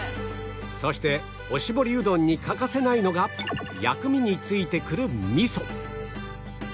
そしておしぼりうどんに欠かせないのが薬味に付いてくる味噌